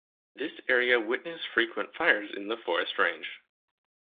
This area witness frequent fires in the forest range.